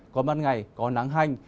còn ban ngày có nắng hành